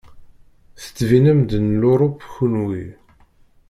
Tettbinem-d n Luṛup kunwi.